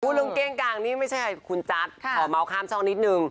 พูดเรื่องเก้งกางนี้ไม่ใช่คุณจั๊กขอเมาข้ามช่องนิดหนึ่ง